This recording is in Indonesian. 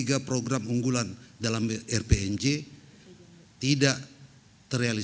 a pertimbangan kerja akademi